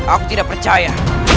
aku tidak percaya